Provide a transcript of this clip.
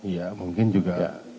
ya mungkin juga